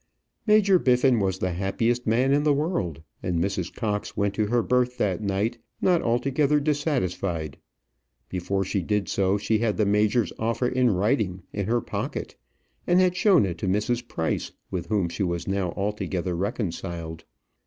Major Biffin was the happiest man in the world, and Mrs. Cox went to her berth that night not altogether dissatisfied. Before she did so, she had the major's offer in writing in her pocket; and had shown it to Mrs. Price, with whom she was now altogether reconciled.